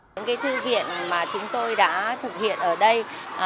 các thư viện mà chúng tôi đã thực hiện ở đây